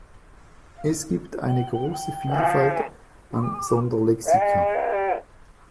Es gibt eine große Vielfalt an Sonder-Lexika.